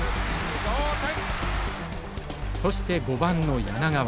そして５番の柳川。